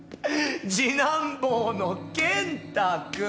次男坊の健太君。